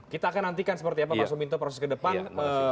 kita akan nantikan seperti apa pak seminto proses kedepan